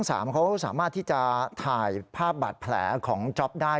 เขาสามารถที่จะถ่ายภาพบาดแผลของจ๊อปได้